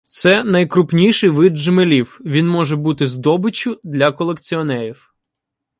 Це найкрупніший вид джмелів, він може бути здобиччю для колекціонерів.